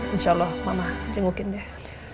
insya allah mama jengukin deh